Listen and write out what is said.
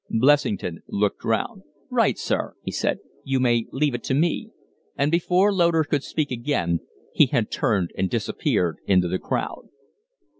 Blessington looked round. "Right, sir!" he said. "You may leave it to me," And before Loder could speak again he had turned and disappeared into the crowd.